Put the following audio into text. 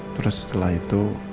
terus setelah itu